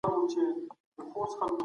ډيجيټلي وسايل مهارتونه ارزوي.